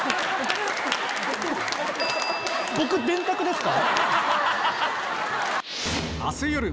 ⁉僕電卓ですか？